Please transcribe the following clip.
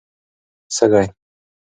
سږی